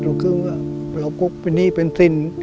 เราก็เป็นที่เป็นสิ่ง